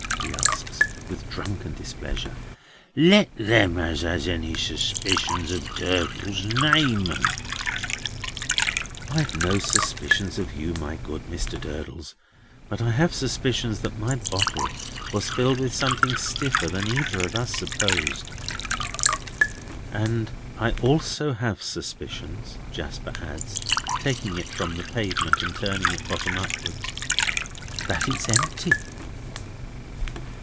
he asks, with drunken displeasure. "Let them as has any suspicions of Durdles name 'em." "I've no suspicions of you, my good Mr. Durdles; but I have suspicions that my bottle was filled with something stiffer than either of us supposed. And I also have suspicions," Jasper adds, taking it from the pavement and turning it bottom upwards, "that it's empty."